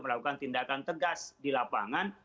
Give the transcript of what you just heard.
melakukan tindakan tegas di lapangan